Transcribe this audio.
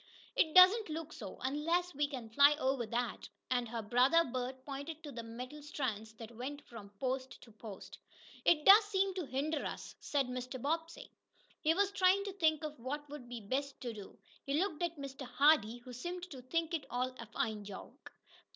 "It doesn't look so unless we can fly over that," and her brother Bert pointed to the metal strands that went from post to post. "It does seem to hinder us," said Mr. Bobbsey. He was trying to think of what would be best to do. He looked at Mr. Hardee, who seemed to think it all a fine joke.